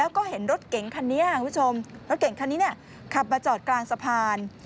แล้วก็เห็นรถเก๋งคันนี้คุณผู้ชมรถเก่งคันนี้ขับมาจอดกลางสะพาน